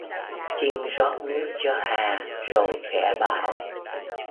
Chinh rót nước cho Hà rồi khẽ bảo